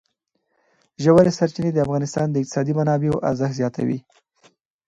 ژورې سرچینې د افغانستان د اقتصادي منابعو ارزښت زیاتوي.